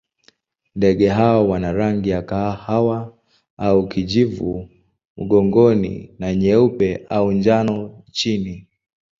Ndege hawa wana rangi ya kahawa au kijivu mgongoni na nyeupe au njano chini.